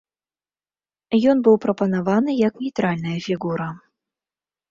Ён быў прапанаваны як нейтральная фігура.